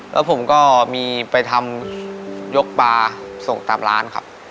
แล้วผมก็มีไปทำยกปลาส่งตามร้านครับ